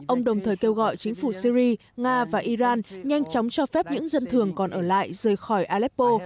ông đồng thời kêu gọi chính phủ syri nga và iran nhanh chóng cho phép những dân thường còn ở lại rời khỏi aleppo